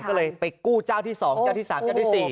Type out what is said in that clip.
ก็เลยไปกู้เจ้าที่สองเจ้าที่สามเจ้าที่สี่